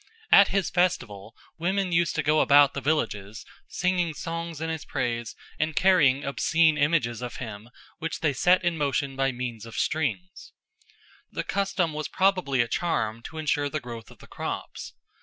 At his festival women used to go about the villages singing songs in his praise and carrying obscene images of him which they set in motion by means of strings. The custom was probably a charm to ensure the growth of the crops.